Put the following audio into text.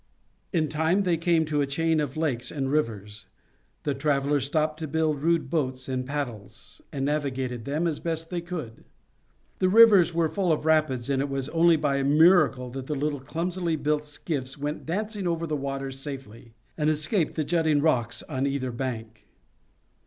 In time they came to a chain of lakes and rivers. The travelers stopped to build rude boats and paddles, and navigated them as best they could. The rivers were full of rapids, and it was only by a miracle that the little clumsily built skiffs went dancing over the waters safely, and escaped the jutting rocks on either bank.